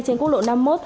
trên quốc lộ năm mươi một